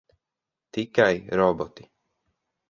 Tikai roboti.